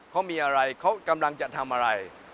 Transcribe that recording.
เขามีอะไรเขากำลังจะทำอะไร